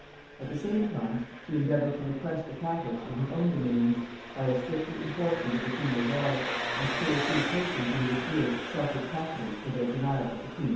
At the same time she endeavoured to repress the catholics in her own dominions by a stricter enforcement of the penal laws, and two or three persons in this year suffered capitally for their denial of the queen's supremacy.